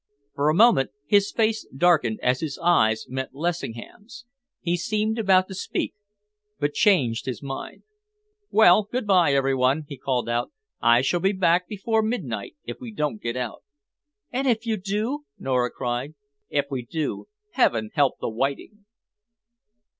For a moment his face darkened as his eyes met Lessingham's. He seemed about to speak but changed his mind. "Well, good by, every one," he called out. "I shall be back before midnight if we don't get out." "And if you do?" Nora cried. "If we do, Heaven help the whiting!"